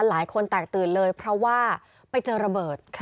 หลายคนแตกตื่นเลยเพราะว่าไปเจอระเบิด